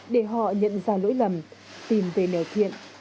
để họ nhận ra lỗi lầm tìm về nẻo thiện